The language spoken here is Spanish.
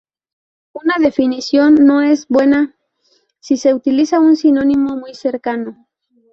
Una definición no es buena si utiliza un sinónimo muy cercano.